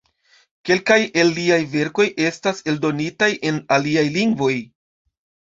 Kelkaj el liaj verkoj estas eldonitaj en aliaj lingvoj.